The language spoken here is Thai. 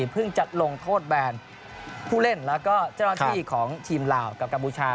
พึ่งจัดลงโทษแบนผู้เล่นและเจ้าหน้าที่ของทีมลาวกับกาปุชชา